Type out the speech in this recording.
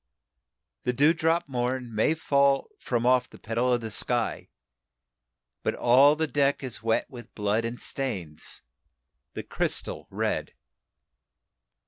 "The dewdrop morn may fall from off the petal of the sky, But all the deck is wet with blood and stains the crystal red.